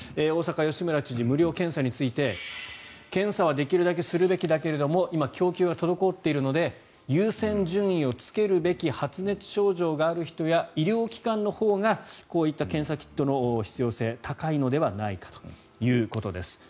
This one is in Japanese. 大阪、吉村知事無料検査について検査はできるだけするべきだけれど今、供給が滞っているので優先順位をつけるべき発熱症状がある人や医療機関のほうがこういった検査キットの必要性高いのではないかということです。